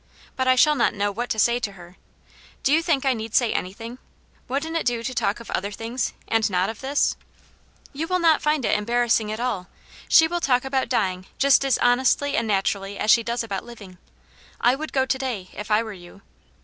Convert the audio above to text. " But I shall not know what to say to her. Do you think I need say anything ? Wouldn't it do to talk of other things, and not of this ?"" You will not find it embatt^^svw.^ ^\. '^J^. "^J^^ 242 Aunt Janets Hero. will talk about dying just as honestly and naturally as she does about living. I would go to day, if I were you."